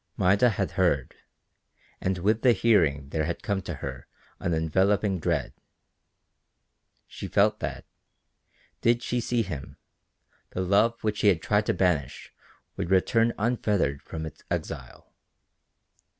Maida had heard, and with the hearing there had come to her an enveloping dread. She felt that, did she see him, the love which she had tried to banish would return unfettered from its exile.